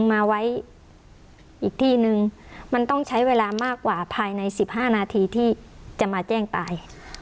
มาไว้อีกที่นึงมันต้องใช้เวลามากกว่าภายใน๑๕นาทีที่จะมาแจ้งตาย